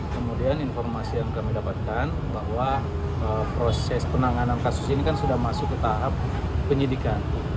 kemudian informasi yang kami dapatkan bahwa proses penanganan kasus ini kan sudah masuk ke tahap penyidikan